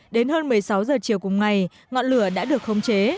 đến hơn một mươi sáu giờ chiều cùng ngày ngọn lửa đã được khống chế